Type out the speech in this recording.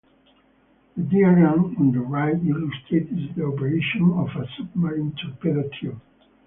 The diagram on the right illustrates the operation of a submarine torpedo tube.